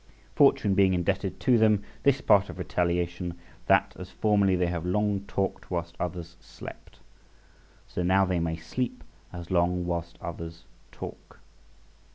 Fortune being indebted to them this part of retaliation, that as formerly they have long talked whilst others slept, so now they may sleep as long whilst others talk.